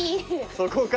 そこか。